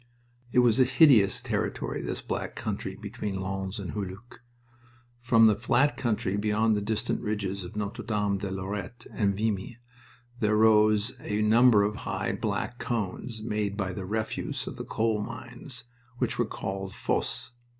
It was a hideous territory, this Black Country between Lens and Hulluch. From the flat country below the distant ridges of Notre Dame de Lorette and Vimy there rose a number of high black cones made by the refuse of the coal mines, which were called Fosses.